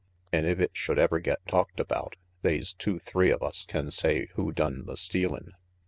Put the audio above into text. An' if it should ever get talked about, they's two three of us can say who done the stealin'.